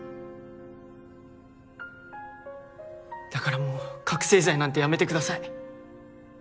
だからもう覚せい剤なんてやめてください！